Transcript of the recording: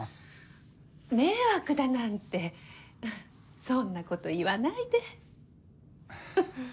迷惑だなんてそんなこと言わないで。